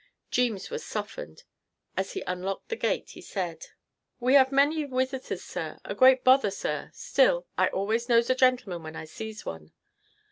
Jeemes was softened. As he unlocked the gate he said: "We 'ave many wisiters, sir; a great bother, sir; still, I always knows a gentleman when I sees one.